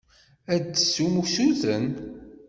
Ad d-tessum usuten.